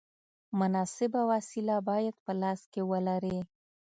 مناسبه وسیله باید په لاس کې ولرې.